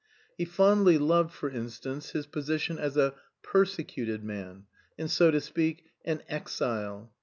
He fondly loved, for instance, his position as a "persecuted" man and, so to speak, an "exile."